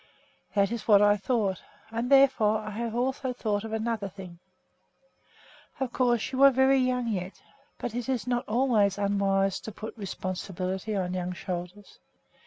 "That is what I thought, and therefore I have also thought of another thing. Of course you are very young yet, but it is not always unwise to put responsibility on young shoulders.